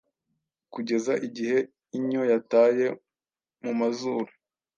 kugeza igihe inyo yataye mu mazuru